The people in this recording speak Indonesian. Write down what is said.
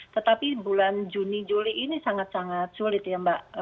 tetapi bulan juni juli ini sangat sangat sulit ya mbak